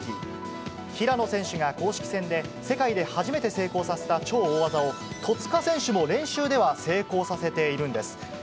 平野選手が公式戦で世界で初めて成功させた超大技を、戸塚選手も練習では成功させているんです。